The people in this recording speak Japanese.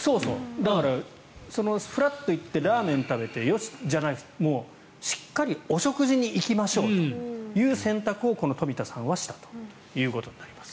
ふらっと行ってラーメンを食べてよし、じゃなくてしっかりお食事に行きましょうという選択をこの富田さんはしたということになります。